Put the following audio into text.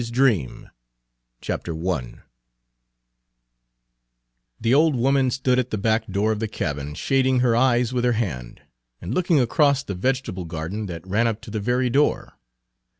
Page 132 CICELY'S DREAM I THE old woman stood at the back door of the cabin, shading, her eyes with her hand, and looking across the vegetable garden that ran up to the very door.